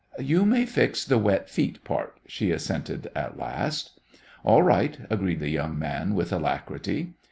"You may fix the wet feet part," she assented at last. "All right," agreed the young man with alacrity.